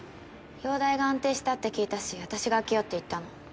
容体が安定したって聞いたし私が開けようって言ったの。